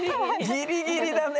ギリギリだね！